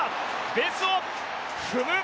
ベースを踏む！